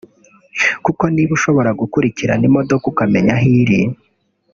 kuko niba ushobora gukurikirana imodoka ukamenya aho iri